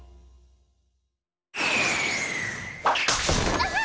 あっ！